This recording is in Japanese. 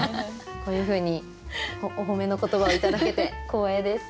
こういうふうにお褒めの言葉を頂けて光栄です。